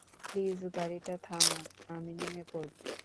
Please গাড়িটা থামান, আমি নেমে পড়ব।